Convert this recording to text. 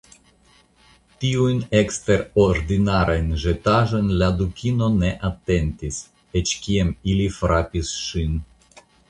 Tiujn eksterordinarajn ĵetaĵojn la Dukino ne atentis, eĉ kiam ili frapis ŝin.